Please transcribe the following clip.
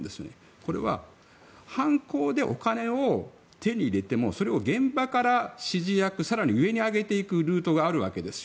これは犯行でお金を手に入れてもそれを現場から指示役、更に上に上げていくルートがあるわけですよ。